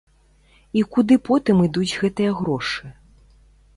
І куды потым ідуць гэтыя грошы?